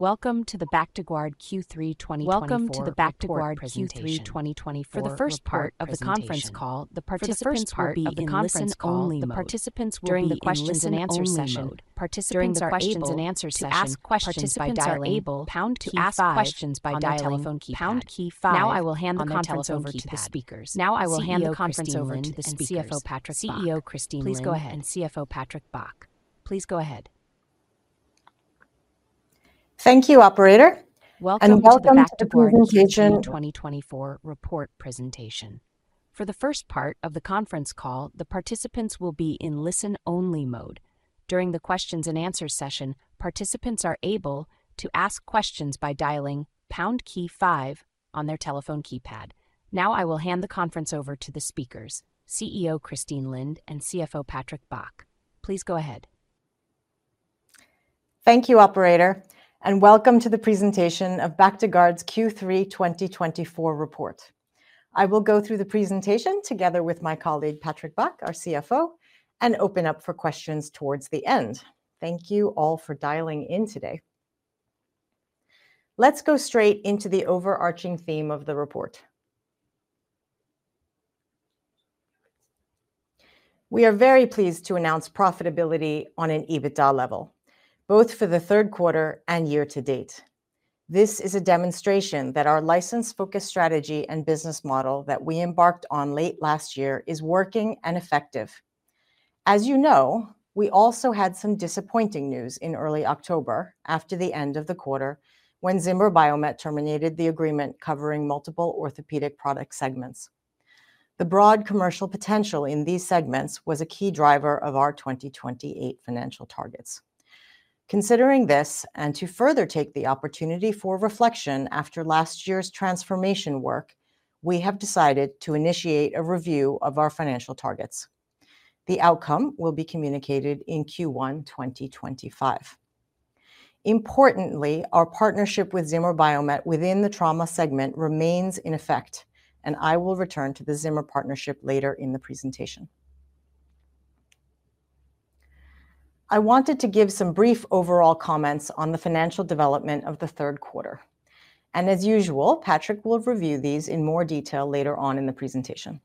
Welcome to the Bactiguard Q3 2024 report presentation. For the first part of the conference call, the participants will be in listen-only mode. During the questions and answer session, participants are able to ask questions by dialing pound key five on their telephone keypad. Now I will hand the conference over to the speakers, CEO Christine Lind and CFO Patrick Bach. Please go ahead. Thank you, operator, and welcome to the presentation. Welcome to the Bactiguard Q3 2024 report presentation. For the first part of the conference call, the participants will be in listen-only mode. During the questions and answers session, participants are able to ask questions by dialing pound key five on their telephone keypad. Now I will hand the conference over to the speakers, CEO Christine Lind and CFO Patrick Bach. Please go ahead. Thank you, operator, and welcome to the presentation of Bactiguard's Q3 2024 report. I will go through the presentation together with my colleague, Patrick Bach, our CFO, and open up for questions towards the end. Thank you all for dialing in today. Let's go straight into the overarching theme of the report. We are very pleased to announce profitability on an EBITDA level, both for the third quarter and year to date. This is a demonstration that our license-focused strategy and business model that we embarked on late last year is working and effective. As you know, we also had some disappointing news in early October, after the end of the quarter, when Zimmer Biomet terminated the agreement covering multiple orthopedic product segments. The broad commercial potential in these segments was a key driver of our twenty twenty-eight financial targets. Considering this, and to further take the opportunity for reflection after last year's transformation work, we have decided to initiate a review of our financial targets. The outcome will be communicated in Q1 2025. Importantly, our partnership with Zimmer Biomet within the trauma segment remains in effect, and I will return to the Zimmer partnership later in the presentation. I wanted to give some brief overall comments on the financial development of the third quarter, and as usual, Patrick will review these in more detail later on in the presentation.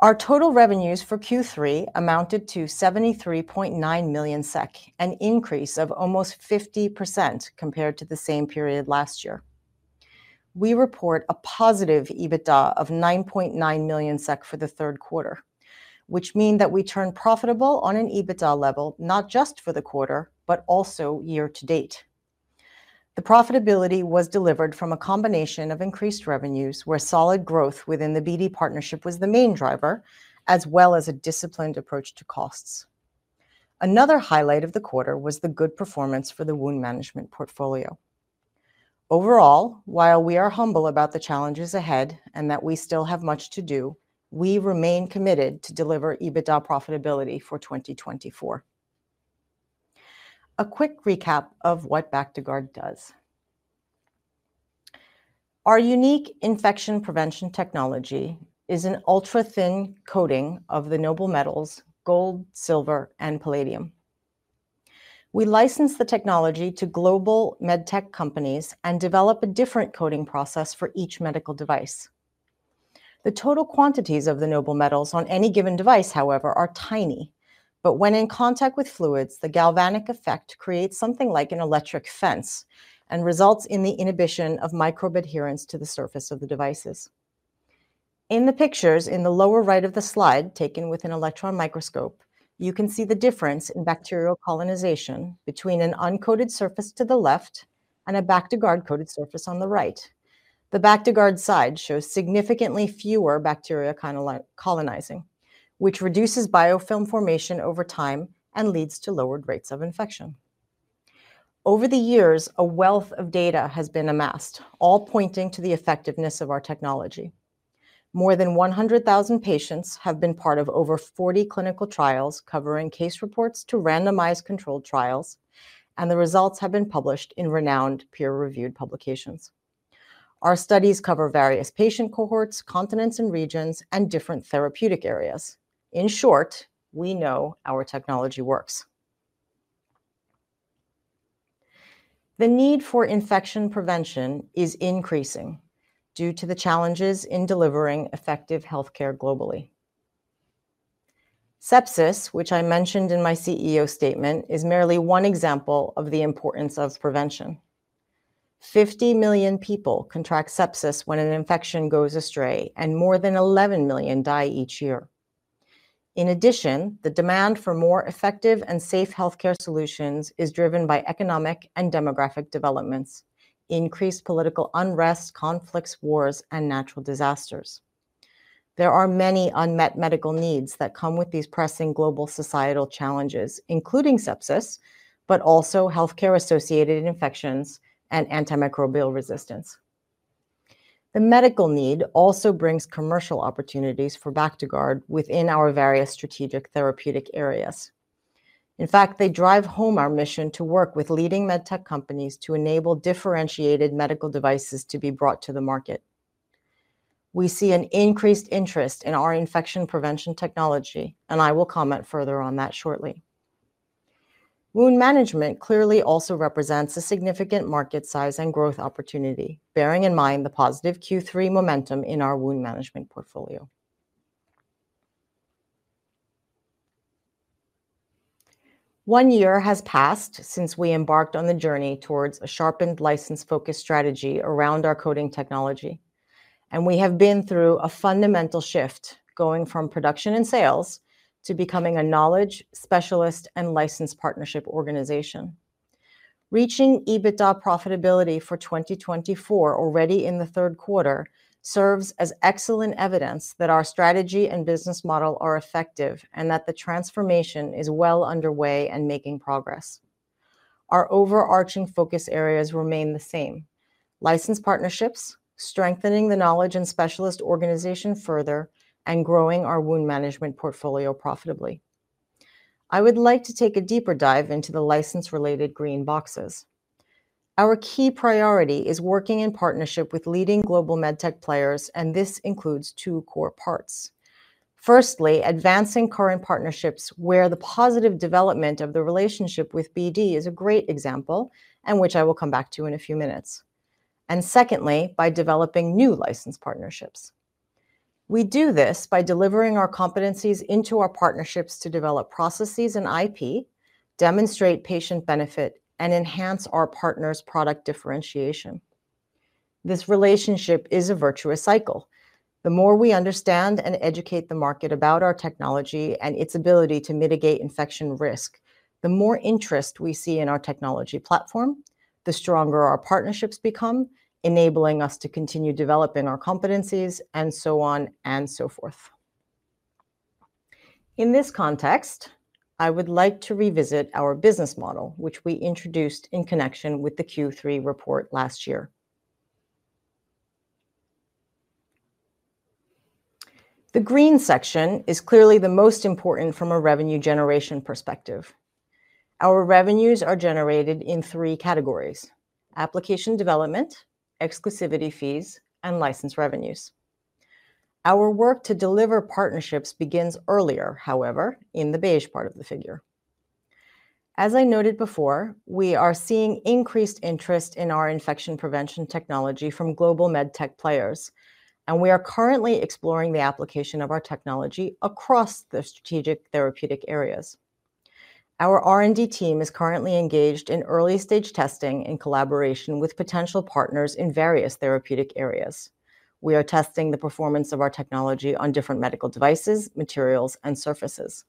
Our total revenues for Q3 amounted to 73.9 million SEK, an increase of almost 50% compared to the same period last year. We report a positive EBITDA of 9.9 million SEK for the third quarter, which means that we turn profitable on an EBITDA level, not just for the quarter, but also year to date. The profitability was delivered from a combination of increased revenues, where solid growth within the BD partnership was the main driver, as well as a disciplined approach to costs. Another highlight of the quarter was the good performance for the wound management portfolio. Overall, while we are humble about the challenges ahead and that we still have much to do, we remain committed to deliver EBITDA profitability for 2024. A quick recap of what Bactiguard does. Our unique infection prevention technology is an ultra-thin coating of the noble metals: gold, silver, and palladium. We license the technology to global med tech companies and develop a different coating process for each medical device. The total quantities of the noble metals on any given device, however, are tiny, but when in contact with fluids, the galvanic effect creates something like an electric fence and results in the inhibition of microbe adherence to the surface of the devices. In the pictures in the lower right of the slide, taken with an electron microscope, you can see the difference in bacterial colonization between an uncoated surface to the left and a Bactiguard-coated surface on the right. The Bactiguard side shows significantly fewer bacteria colonizing, which reduces biofilm formation over time and leads to lowered rates of infection. Over the years, a wealth of data has been amassed, all pointing to the effectiveness of our technology. More than one hundred thousand patients have been part of over forty clinical trials covering case reports to randomized controlled trials, and the results have been published in renowned peer-reviewed publications. Our studies cover various patient cohorts, continents and regions, and different therapeutic areas. In short, we know our technology works. The need for infection prevention is increasing due to the challenges in delivering effective healthcare globally. Sepsis, which I mentioned in my CEO statement, is merely one example of the importance of prevention. Fifty million people contract sepsis when an infection goes astray, and more than eleven million die each year. In addition, the demand for more effective and safe healthcare solutions is driven by economic and demographic developments, increased political unrest, conflicts, wars, and natural disasters. There are many unmet medical needs that come with these pressing global societal challenges, including sepsis, but also healthcare-associated infections and antimicrobial resistance. The medical need also brings commercial opportunities for Bactiguard within our various strategic therapeutic areas. In fact, they drive home our mission to work with leading med tech companies to enable differentiated medical devices to be brought to the market.... We see an increased interest in our infection prevention technology, and I will comment further on that shortly. Wound management clearly also represents a significant market size and growth opportunity, bearing in mind the positive Q3 momentum in our wound management portfolio. One year has passed since we embarked on the journey towards a sharpened license-focused strategy around our coating technology, and we have been through a fundamental shift, going from production and sales to becoming a knowledge specialist and license partnership organization. Reaching EBITDA profitability for 2024 already in the third quarter serves as excellent evidence that our strategy and business model are effective and that the transformation is well underway and making progress. Our overarching focus areas remain the same: license partnerships, strengthening the knowledge and specialist organization further, and growing our wound management portfolio profitably. I would like to take a deeper dive into the license-related green boxes. Our key priority is working in partnership with leading global medtech players, and this includes two core parts. Firstly, advancing current partnerships, where the positive development of the relationship with BD is a great example, and which I will come back to in a few minutes. And secondly, by developing new license partnerships. We do this by delivering our competencies into our partnerships to develop processes and IP, demonstrate patient benefit, and enhance our partners' product differentiation. This relationship is a virtuous cycle. The more we understand and educate the market about our technology and its ability to mitigate infection risk, the more interest we see in our technology platform, the stronger our partnerships become, enabling us to continue developing our competencies, and so on and so forth. In this context, I would like to revisit our business model, which we introduced in connection with the Q3 report last year. The green section is clearly the most important from a revenue generation perspective. Our revenues are generated in three categories: application development, exclusivity fees, and license revenues. Our work to deliver partnerships begins earlier, however, in the beige part of the figure. As I noted before, we are seeing increased interest in our infection prevention technology from global medtech players, and we are currently exploring the application of our technology across the strategic therapeutic areas. Our R&D team is currently engaged in early-stage testing in collaboration with potential partners in various therapeutic areas. We are testing the performance of our technology on different medical devices, materials, and surfaces.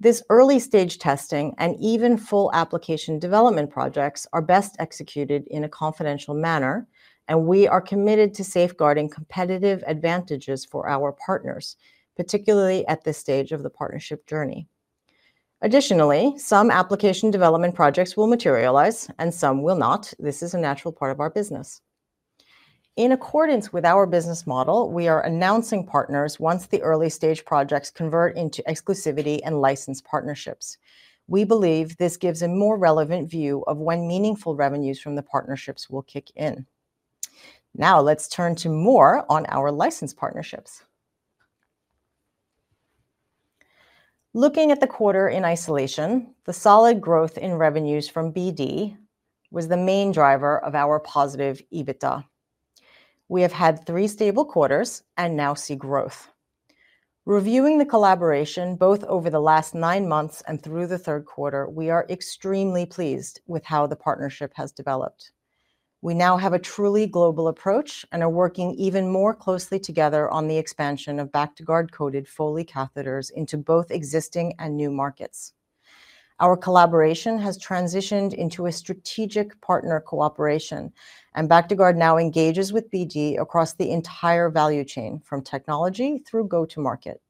This early-stage testing and even full application development projects are best executed in a confidential manner, and we are committed to safeguarding competitive advantages for our partners, particularly at this stage of the partnership journey. Additionally, some application development projects will materialize and some will not. This is a natural part of our business. In accordance with our business model, we are announcing partners once the early-stage projects convert into exclusivity and license partnerships. We believe this gives a more relevant view of when meaningful revenues from the partnerships will kick in. Now, let's turn to more on our license partnerships. Looking at the quarter in isolation, the solid growth in revenues from BD was the main driver of our positive EBITDA. We have had three stable quarters and now see growth. Reviewing the collaboration, both over the last nine months and through the third quarter, we are extremely pleased with how the partnership has developed. We now have a truly global approach and are working even more closely together on the expansion of Bactiguard-coated Foley catheters into both existing and new markets. Our collaboration has transitioned into a strategic partner cooperation, and Bactiguard now engages with BD across the entire value chain, from technology through go-to-market.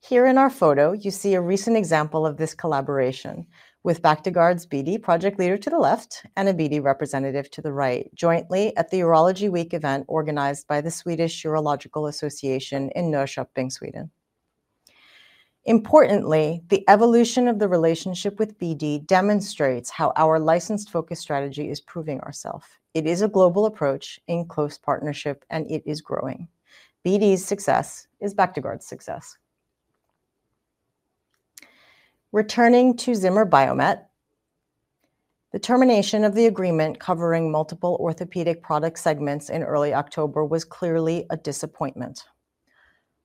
Here in our photo, you see a recent example of this collaboration with Bactiguard's BD project leader to the left and a BD representative to the right, jointly at the Urology Week event organized by the Swedish Urological Association in Norrköping, Sweden. Importantly, the evolution of the relationship with BD demonstrates how our license-focused strategy is proving ourself. It is a global approach in close partnership, and it is growing. BD's success is Bactiguard's success. Returning to Zimmer Biomet, the termination of the agreement covering multiple orthopedic product segments in early October was clearly a disappointment.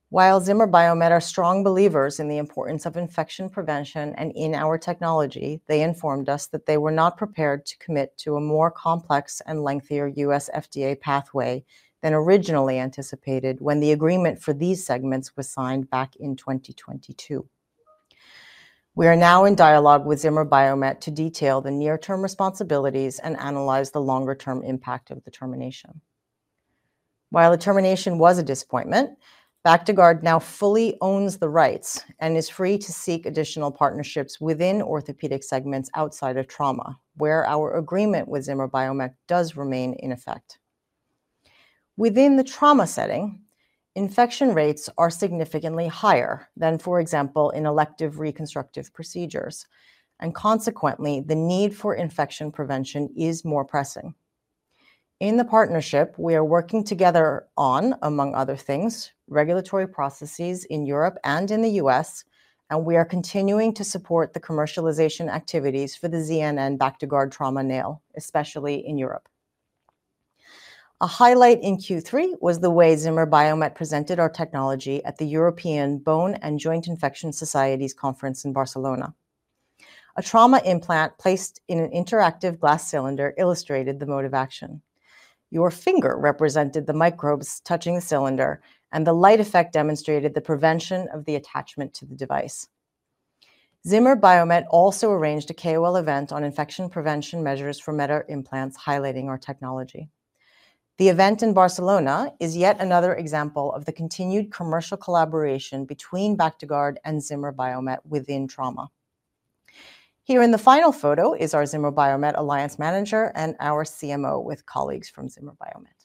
While Zimmer Biomet are strong believers in the importance of infection prevention and in our technology, they informed us that they were not prepared to commit to a more complex and lengthier U.S. FDA pathway than originally anticipated when the agreement for these segments was signed back in 2022. We are now in dialogue with Zimmer Biomet to detail the near-term responsibilities and analyze the longer-term impact of the termination. While the termination was a disappointment, Bactiguard now fully owns the rights and is free to seek additional partnerships within orthopedic segments outside of trauma, where our agreement with Zimmer Biomet does remain in effect. Within the trauma setting, infection rates are significantly higher than, for example, in elective reconstructive procedures, and consequently, the need for infection prevention is more pressing. In the partnership, we are working together on, among other things, regulatory processes in Europe and in the U.S., and we are continuing to support the commercialization activities for the ZNN Bactiguard Trauma Nail, especially in Europe. A highlight in Q3 was the way Zimmer Biomet presented our technology at the European Bone and Joint Infection Society's conference in Barcelona. A trauma implant placed in an interactive glass cylinder illustrated the mode of action. Your finger represented the microbes touching the cylinder, and the light effect demonstrated the prevention of the attachment to the device. Zimmer Biomet also arranged a KOL event on infection prevention measures for metal implants, highlighting our technology. The event in Barcelona is yet another example of the continued commercial collaboration between Bactiguard and Zimmer Biomet within trauma. Here in the final photo is our Zimmer Biomet alliance manager and our CMO with colleagues from Zimmer Biomet.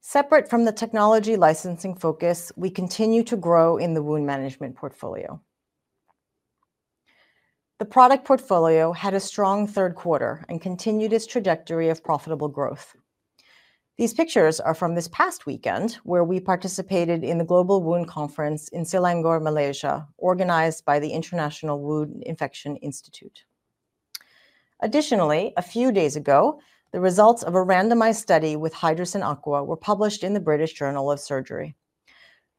Separate from the technology licensing focus, we continue to grow in the wound management portfolio. The product portfolio had a strong third quarter and continued its trajectory of profitable growth. These pictures are from this past weekend, where we participated in the Global Wound Conference in Selangor, Malaysia, organized by the International Wound Infection Institute. Additionally, a few days ago, the results of a randomized study with Hydrocyn Aqua were published in the British Journal of Surgery.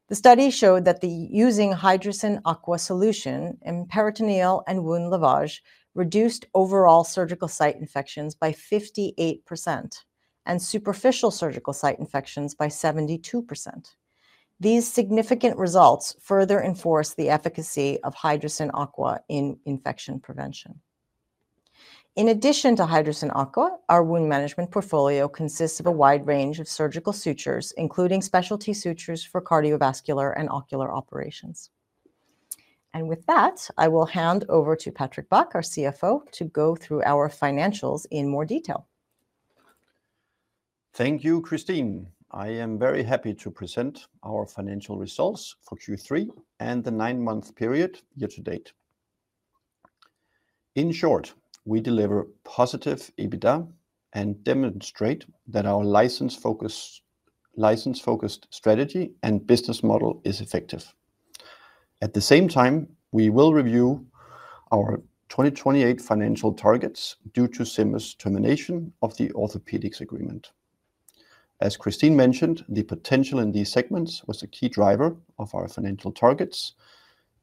The study showed that the using Hydrocyn Aqua solution in peritoneal and wound lavage reduced overall surgical site infections by 58% and superficial surgical site infections by 72%. These significant results further enforce the efficacy of Hydrocyn Aqua in infection prevention. In addition to Hydrocyn Aqua, our wound management portfolio consists of a wide range of surgical sutures, including specialty sutures for cardiovascular and ocular operations, and with that, I will hand over to Patrick Bach, our CFO, to go through our financials in more detail. Thank you, Christine. I am very happy to present our financial results for Q3 and the nine-month period year to date. In short, we deliver positive EBITDA and demonstrate that our license focus- license-focused strategy and business model is effective. At the same time, we will review our 2028 financial targets due to Zimmer's termination of the orthopedics agreement. As Christine mentioned, the potential in these segments was a key driver of our financial targets,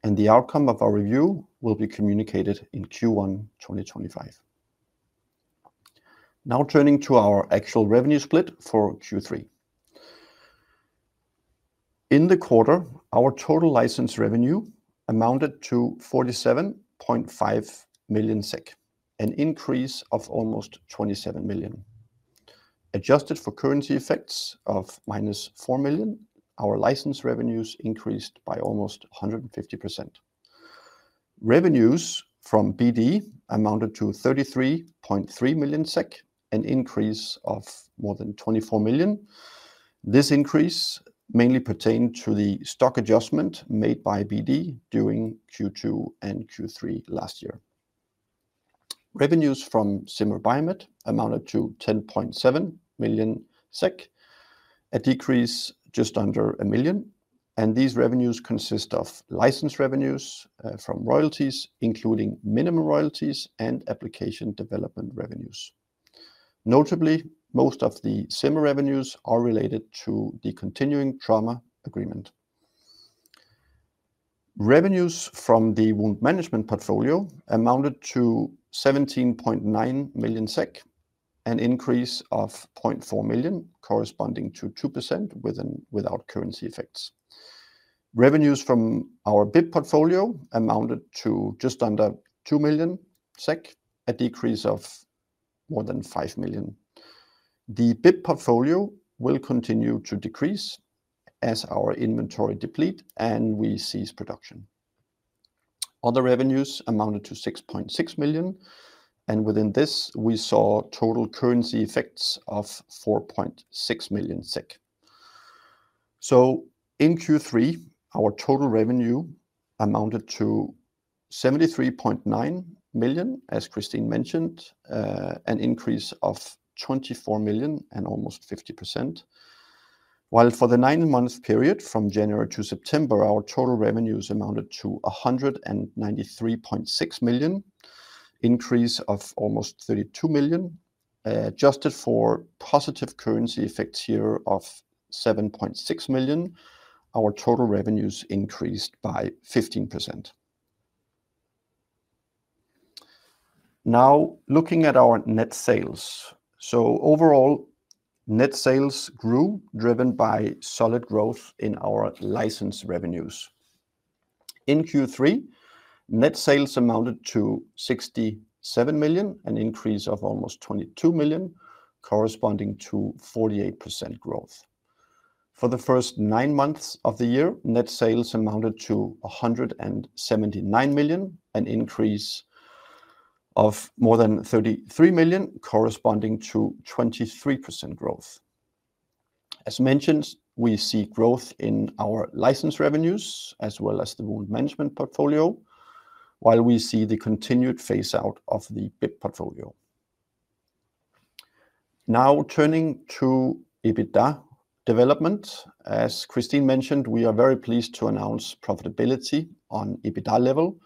and the outcome of our review will be communicated in Q1 2025. Now, turning to our actual revenue split for Q3. In the quarter, our total license revenue amounted to 47.5 million SEK, an increase of almost 27 million. Adjusted for currency effects of minus 4 million, our license revenues increased by almost 150%. Revenues from BD amounted to 33.3 million SEK, an increase of more than 24 million. This increase mainly pertained to the stock adjustment made by BD during Q2 and Q3 last year. Revenues from Zimmer Biomet amounted to 10.7 million SEK, a decrease just under 1 million, and these revenues consist of license revenues from royalties, including minimum royalties and application development revenues. Notably, most of the Zimmer revenues are related to the continuing trauma agreement. Revenues from the wound management portfolio amounted to 17.9 million SEK, an increase of 0.4 million, corresponding to 2% without currency effects. Revenues from our BIP portfolio amounted to just under 2 million SEK, a decrease of more than 5 million. The BIP portfolio will continue to decrease as our inventory deplete and we cease production. Other revenues amounted to 6.6 million, and within this, we saw total currency effects of 4.6 million SEK. So in Q3, our total revenue amounted to 73.9 million, as Christine mentioned, an increase of 24 million and almost 50%. While for the nine-month period from January to September, our total revenues amounted to 193.6 million, increase of almost 32 million. Adjusted for positive currency effects here of 7.6 million, our total revenues increased by 15%. Now, looking at our net sales. So overall, net sales grew, driven by solid growth in our license revenues. In Q3, net sales amounted to 67 million, an increase of almost 22 million, corresponding to 48% growth. For the first nine months of the year, net sales amounted to 179 million, an increase of more than 33 million, corresponding to 23% growth. As mentioned, we see growth in our license revenues as well as the wound management portfolio, while we see the continued phase-out of the BIP portfolio. Now, turning to EBITDA development. As Christine mentioned, we are very pleased to announce profitability on EBITDA level,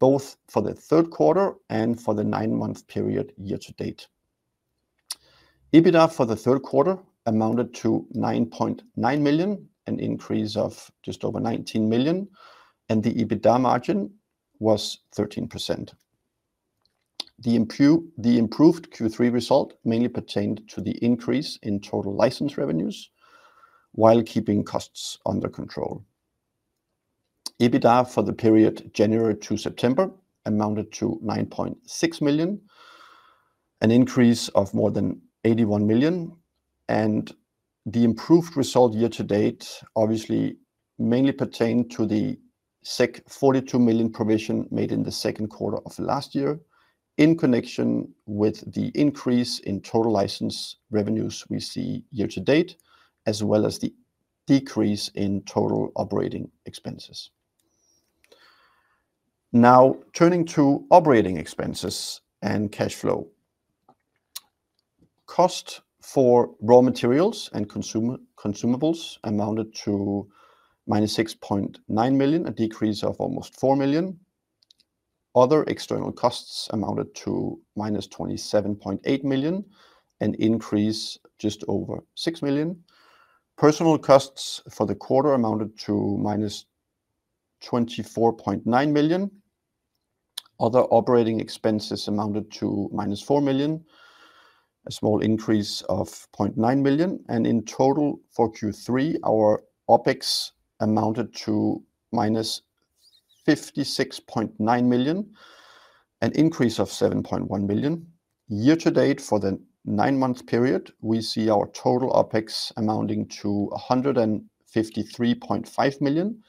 both for the third quarter and for the nine-month period year to date. EBITDA for the third quarter amounted to 9.9 million, an increase of just over 19 million, and the EBITDA margin was 13%. The improved Q3 result mainly pertained to the increase in total license revenues, while keeping costs under control. EBITDA for the period January to September amounted to 9.6 million, an increase of more than 81 million, and the improved result year to date obviously mainly pertained to the 42 million provision made in the second quarter of last year in connection with the increase in total license revenues we see year to date, as well as the decrease in total operating expenses. Now, turning to operating expenses and cash flow. Cost for raw materials and consumables amounted to minus 6.9 million, a decrease of almost 4 million. Other external costs amounted to minus 27.8 million, an increase just over 6 million. Personnel costs for the quarter amounted to minus 24.9 million. Other operating expenses amounted to minus 4 million, a small increase of 0.9 million. In total, for Q3, our OpEx amounted to minus 56.9 million, an increase of 7.1 million. Year to date, for the nine-month period, we see our total OpEx amounting to 153.5 million,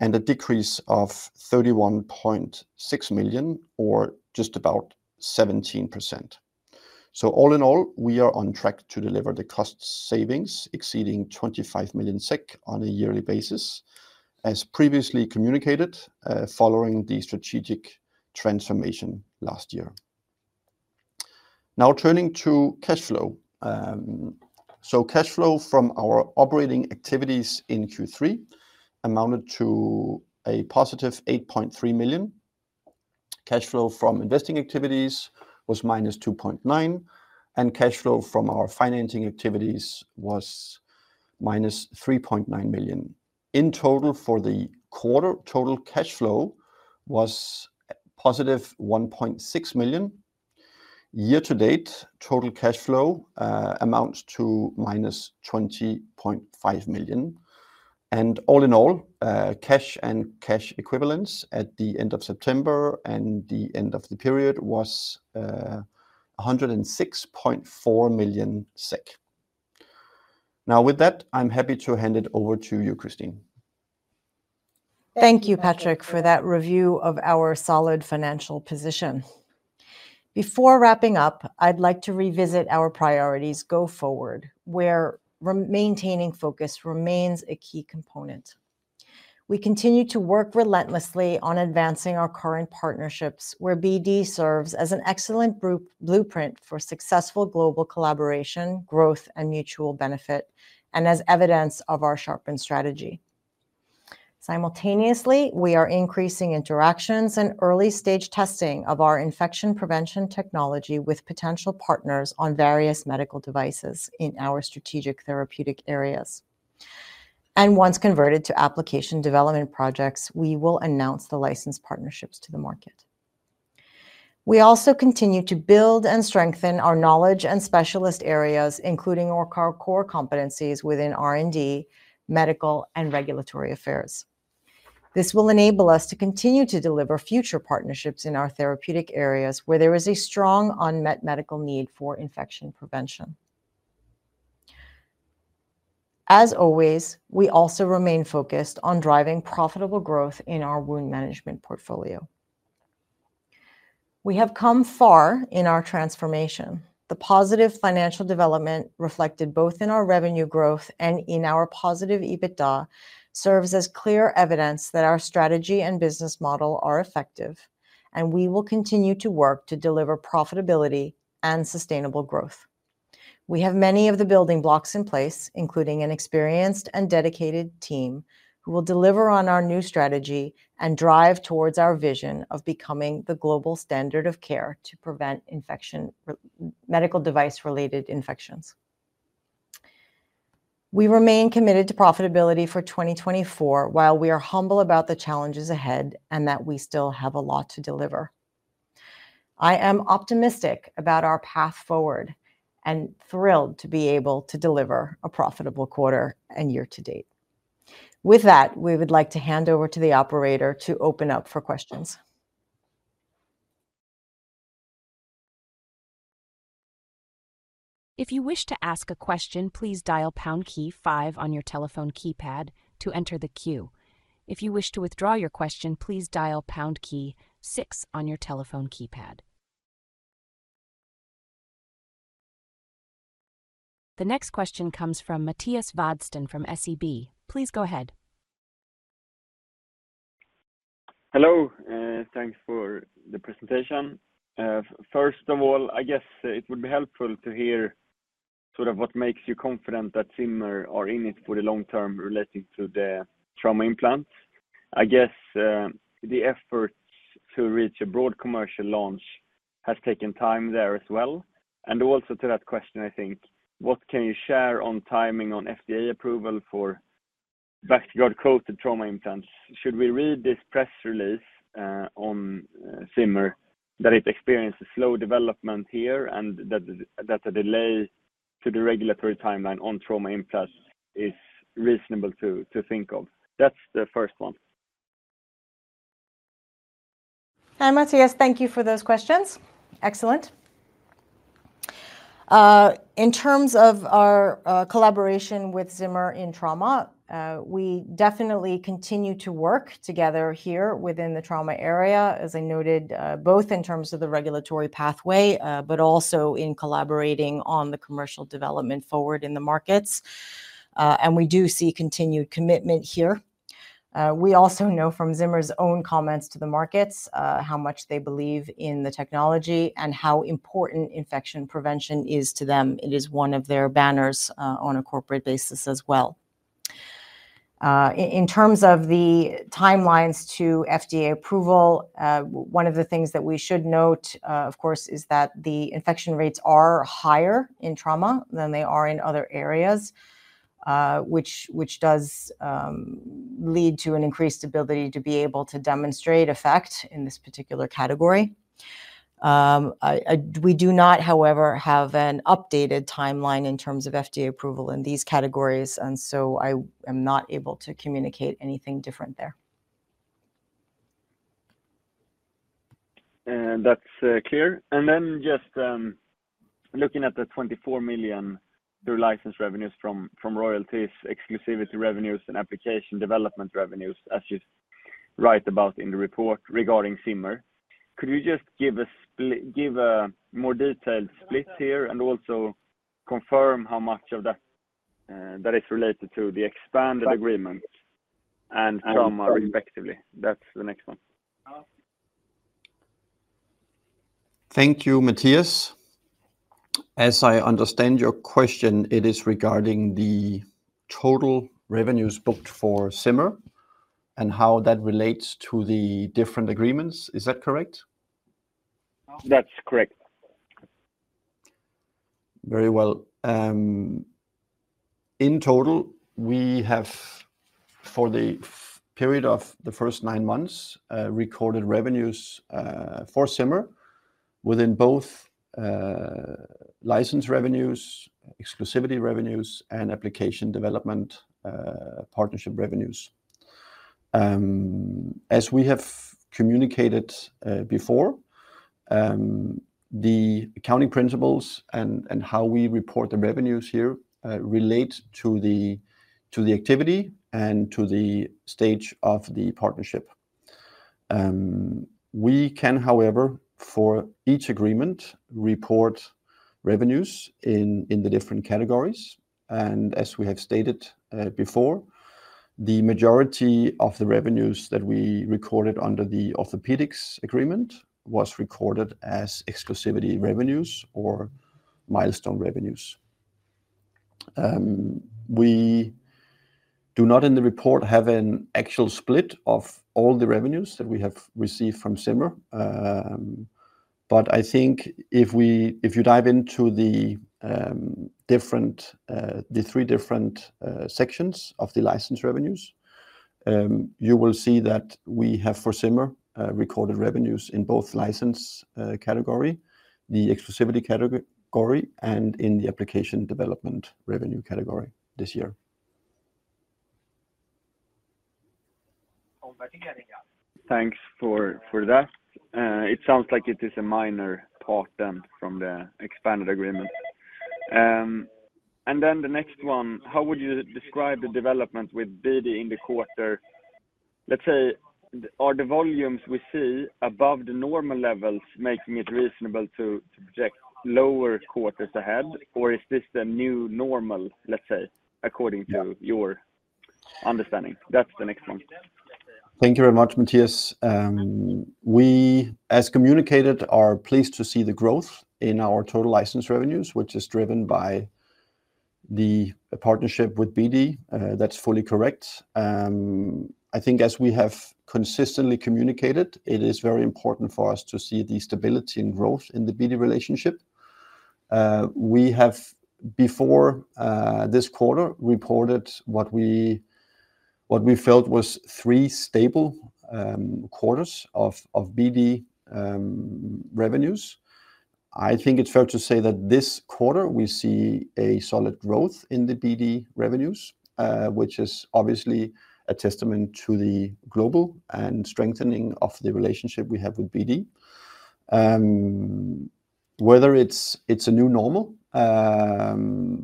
and a decrease of 31.6 million, or just about 17%. All in all, we are on track to deliver the cost savings exceeding 25 million SEK on a yearly basis, as previously communicated, following the strategic transformation last year. Now turning to cash flow. Cash flow from our operating activities in Q3 amounted to a positive 8.3 million. Cash flow from investing activities was minus 2.9, and cash flow from our financing activities was minus 3.9 million. In total, for the quarter, total cash flow was positive 1.6 million. Year to date, total cash flow amounts to -20.5 million. All in all, cash and cash equivalents at the end of September and the end of the period was 106.4 million SEK. Now, with that, I'm happy to hand it over to you, Christine. Thank you, Patrick, for that review of our solid financial position. Before wrapping up, I'd like to revisit our priorities go forward, where maintaining focus remains a key component. We continue to work relentlessly on advancing our current partnerships, where BD serves as an excellent blueprint for successful global collaboration, growth, and mutual benefit, and as evidence of our sharpened strategy. Simultaneously, we are increasing interactions and early-stage testing of our infection prevention technology with potential partners on various medical devices in our strategic therapeutic areas. Once converted to application development projects, we will announce the license partnerships to the market. We also continue to build and strengthen our knowledge and specialist areas, including our core competencies within R&D, medical, and regulatory affairs. This will enable us to continue to deliver future partnerships in our therapeutic areas, where there is a strong unmet medical need for infection prevention. As always, we also remain focused on driving profitable growth in our wound management portfolio. We have come far in our transformation. The positive financial development, reflected both in our revenue growth and in our positive EBITDA, serves as clear evidence that our strategy and business model are effective, and we will continue to work to deliver profitability and sustainable growth. We have many of the building blocks in place, including an experienced and dedicated team, who will deliver on our new strategy and drive towards our vision of becoming the global standard of care to prevent medical device-related infections. We remain committed to profitability for 2024, while we are humble about the challenges ahead and that we still have a lot to deliver. I am optimistic about our path forward, and thrilled to be able to deliver a profitable quarter and year to date. With that, we would like to hand over to the operator to open up for questions. ... If you wish to ask a question, please dial pound key five on your telephone keypad to enter the queue. If you wish to withdraw your question, please dial pound key six on your telephone keypad. The next question comes from Mattias Vadsten from SEB. Please go ahead. Hello, thanks for the presentation. First of all, I guess it would be helpful to hear sort of what makes you confident that Zimmer are in it for the long term relating to the trauma implants. I guess, the efforts to reach a broad commercial launch has taken time there as well. And also to that question, I think, what can you share on timing on FDA approval for Bactiguard-coated trauma implants? Should we read this press release, on, Zimmer, that it experienced a slow development here and that the delay to the regulatory timeline on trauma implants is reasonable to think of? That's the first one. Hi, Mattias, thank you for those questions. Excellent. In terms of our collaboration with Zimmer in trauma, we definitely continue to work together here within the trauma area, as I noted, both in terms of the regulatory pathway, but also in collaborating on the commercial development forward in the markets, and we do see continued commitment here. We also know from Zimmer's own comments to the markets, how much they believe in the technology and how important infection prevention is to them. It is one of their banners, on a corporate basis as well. In terms of the timelines to FDA approval, one of the things that we should note, of course, is that the infection rates are higher in trauma than they are in other areas, which does lead to an increased ability to be able to demonstrate effect in this particular category. We do not, however, have an updated timeline in terms of FDA approval in these categories, and so I am not able to communicate anything different there. That's clear. And then just looking at the 24 million through license revenues from royalties, exclusivity revenues, and application development revenues, as you write about in the report regarding Zimmer, could you just give a more detailed split here, and also confirm how much of that is related to the expanded agreements and trauma, respectively? That's the next one. Thank you, Mattias. As I understand your question, it is regarding the total revenues booked for Zimmer and how that relates to the different agreements. Is that correct? That's correct. Very well. In total, we have, for the period of the first nine months, recorded revenues for Zimmer within both license revenues, exclusivity revenues, and application development partnership revenues. As we have communicated before, the accounting principles and how we report the revenues here relate to the activity and to the stage of the partnership. We can, however, for each agreement, report revenues in the different categories, and as we have stated before, the majority of the revenues that we recorded under the orthopedics agreement was recorded as exclusivity revenues or milestone revenues. We do not, in the report, have an actual split of all the revenues that we have received from Zimmer. But I think if you dive into the three different sections of the license revenues, you will see that we have, for Zimmer, recorded revenues in both license category, the exclusivity category, and in the application development revenue category this year. Thanks for that. It sounds like it is a minor part then from the expanded agreement, and then the next one: How would you describe the development with BD in the quarter? Let's say, are the volumes we see above the normal levels making it reasonable to project lower quarters ahead, or is this the new normal, let's say, according to your understanding? That's the next one. Thank you very much, Mattias. We, as communicated, are pleased to see the growth in our total license revenues, which is driven by the partnership with BD. That's fully correct. I think as we have consistently communicated, it is very important for us to see the stability and growth in the BD relationship. We have, before, this quarter, reported what we felt was three stable quarters of BD revenues. I think it's fair to say that this quarter, we see a solid growth in the BD revenues, which is obviously a testament to the global and strengthening of the relationship we have with BD. Whether it's a new normal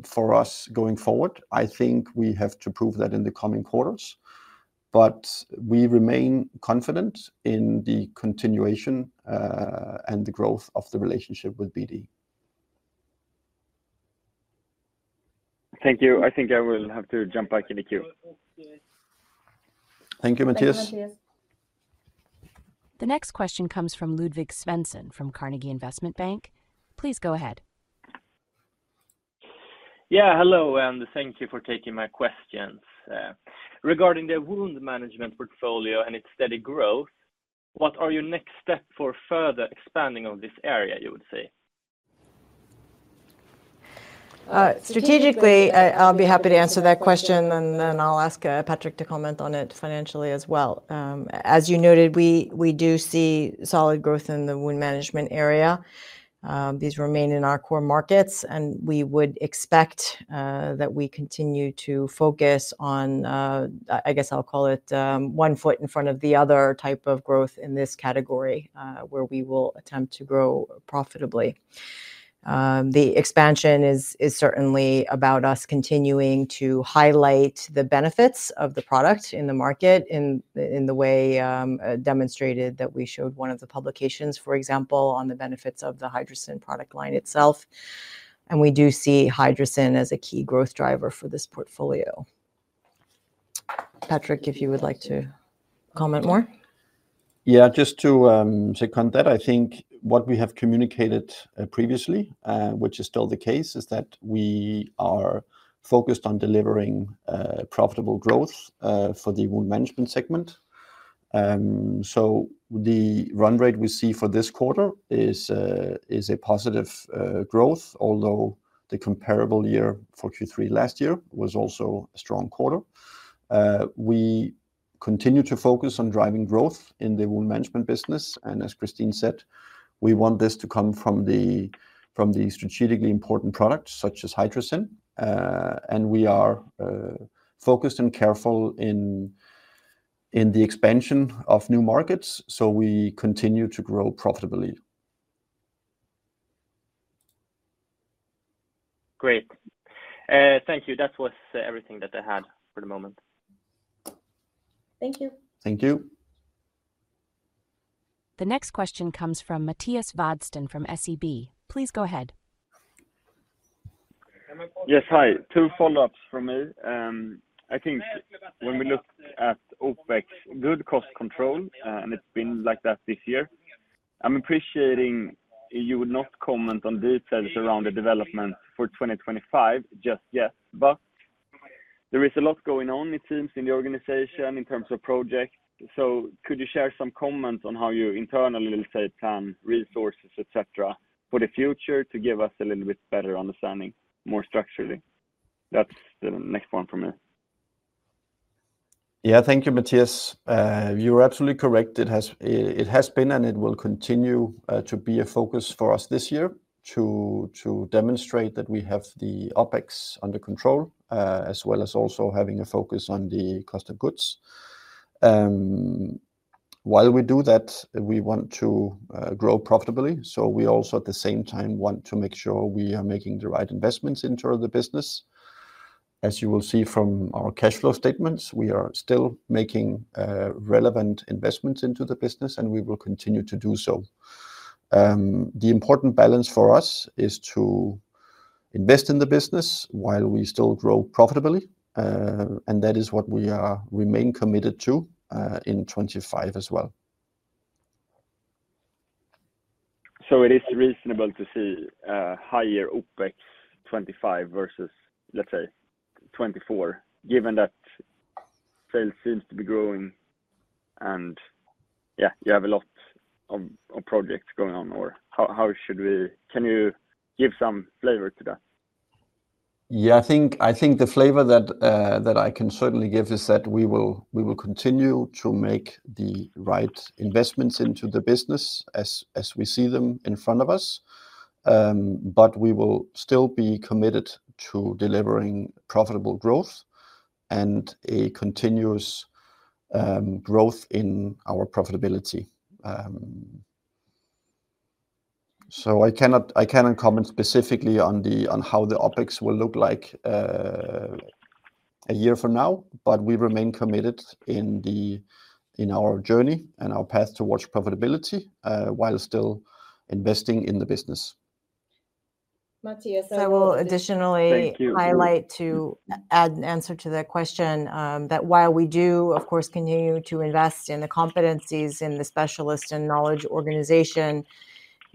for us going forward, I think we have to prove that in the coming quarters. But we remain confident in the continuation, and the growth of the relationship with BD. Thank you. I think I will have to jump back in the queue. Thank you, Mattias. Thank you, Mattias. The next question comes from Ludvig Svensson, from Carnegie Investment Bank. Please go ahead. Yeah, hello, and thank you for taking my questions. Regarding the wound management portfolio and its steady growth, what are your next step for further expanding of this area, you would say? Strategically, I'll be happy to answer that question, and then I'll ask Patrick to comment on it financially as well. As you noted, we do see solid growth in the wound management area. These remain in our core markets, and we would expect that we continue to focus on, I guess I'll call it, one foot in front of the other type of growth in this category, where we will attempt to grow profitably. The expansion is certainly about us continuing to highlight the benefits of the product in the market in the way demonstrated that we showed one of the publications, for example, on the benefits of the Hydrocyn product line itself, and we do see Hydrocyn as a key growth driver for this portfolio. Patrick, if you would like to comment more? Yeah, just to second that, I think what we have communicated previously, which is still the case, is that we are focused on delivering profitable growth for the wound management segment. So the run rate we see for this quarter is a positive growth, although the comparable year for Q3 last year was also a strong quarter. We continue to focus on driving growth in the wound management business, and as Christine said, we want this to come from the strategically important products, such as Hydrocyn. We are focused and careful in the expansion of new markets, so we continue to grow profitably. Great. Thank you. That was everything that I had for the moment. Thank you. Thank you. The next question comes from Mattias Vadsten from SEB. Please go ahead. Yes, hi. Two follow-ups from me. I think when we look at OpEx, good cost control, and it's been like that this year. I'm appreciating you would not comment on details around the development for 2025 just yet, but there is a lot going on, it seems, in the organization in terms of projects. So could you share some comments on how you internally let's say plan resources, et cetera, for the future to give us a little bit better understanding, more structurally? That's the next one from me. Yeah. Thank you, Mattias. You're absolutely correct. It has been, and it will continue to be a focus for us this year to demonstrate that we have the OpEx under control, as well as also having a focus on the cost of goods. While we do that, we want to grow profitably, so we also, at the same time, want to make sure we are making the right investments into the business. As you will see from our cash flow statements, we are still making relevant investments into the business, and we will continue to do so. The important balance for us is to invest in the business while we still grow profitably, and that is what we remain committed to in 2025 as well. It is reasonable to see a higher OpEx 2025 versus, let's say, 2024, given that sales seems to be growing and, yeah, you have a lot of projects going on, or how should we... Can you give some flavor to that? Yeah, I think the flavor that I can certainly give is that we will continue to make the right investments into the business as we see them in front of us, but we will still be committed to delivering profitable growth and a continuous growth in our profitability. I cannot comment specifically on how the OpEx will look like a year from now, but we remain committed in our journey and our path towards profitability while still investing in the business. Mattias, I will additionally- Thank you... highlight to add an answer to that question. That while we do, of course, continue to invest in the competencies in the specialist and knowledge organization,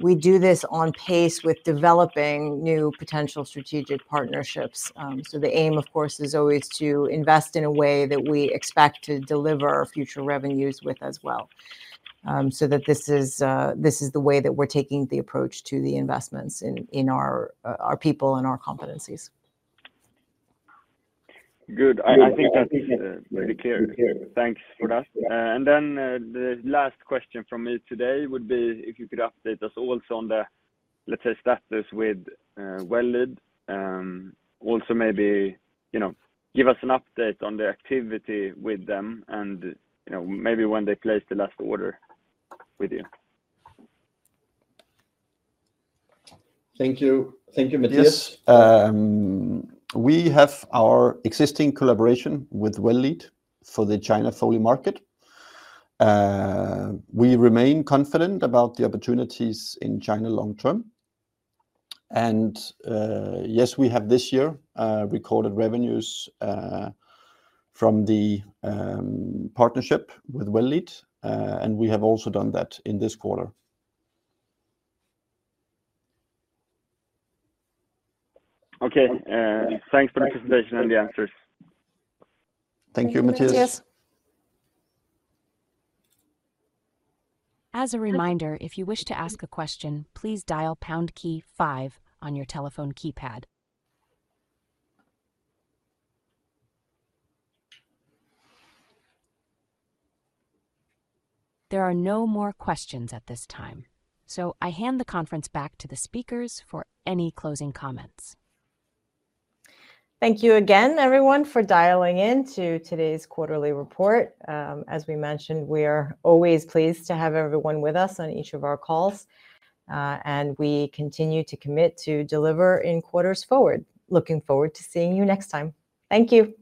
we do this on pace with developing new potential strategic partnerships. So the aim, of course, is always to invest in a way that we expect to deliver our future revenues with as well. So that this is, this is the way that we're taking the approach to the investments in our people and our competencies. Good. I think that's pretty clear. Thanks for that. And then the last question from me today would be if you could update us also on the, let's say, status with Well Lead. Also, maybe, you know, give us an update on the activity with them and, you know, maybe when they place the last order with you. Thank you. Thank you, Mattias. Yes. We have our existing collaboration with Well Lead for the China Foley market. We remain confident about the opportunities in China long term, and yes, we have this year recorded revenues from the partnership with Well Lead, and we have also done that in this quarter. Okay. Thanks for the presentation and the answers. Thank you, Mattias. Thank you, Mattias. As a reminder, if you wish to ask a question, please dial pound key five on your telephone keypad. There are no more questions at this time, so I hand the conference back to the speakers for any closing comments. Thank you again, everyone, for dialing in to today's quarterly report. As we mentioned, we are always pleased to have everyone with us on each of our calls, and we continue to commit to deliver in quarters forward. Looking forward to seeing you next time. Thank you.